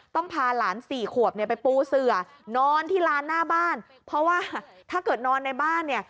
พาหลานสี่ขวบเนี่ยไปปูเสือนอนที่ร้านหน้าบ้านเพราะว่าถ้าเกิดนอนในบ้านเนี่ย